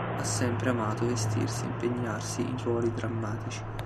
Ha sempre amato vestirsi e impegnarsi in ruoli drammatici.